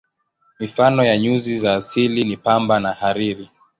Mifano ya nyuzi za asili ni pamba na hariri.